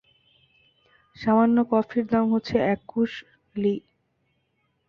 সামান্য কফির দাম চাচ্ছে একুশ লী।